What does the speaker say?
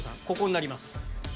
ここになります。